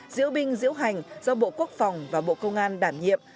diễu binh diễu hành do bộ quốc phòng và bộ công an đảm nhiệm